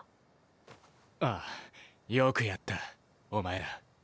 ああよくやったお前ら。